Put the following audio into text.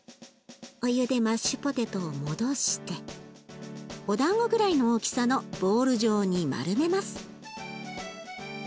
お湯でマッシュポテトを戻しておだんごぐらいの大きさのボール状に丸めます。